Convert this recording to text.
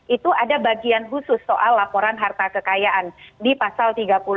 itu ada bagian khusus soal laporan harta kekayaan di pasal tiga puluh